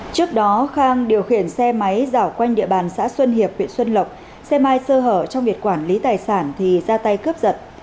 trước đó khang điều khiển xe máy giảo quanh địa bàn xã xuân hiệp huyện xuân lộc xe mai sơ hở trong việc quản lý tài sản thì ra tay cướp giật